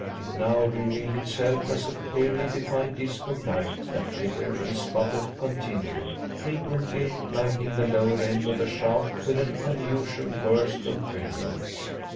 It now revealed itself as a clearly defined disc of light that flickered and sputtered continually, frequently lighting the lower end of the shaft with an unusual burst of brilliance.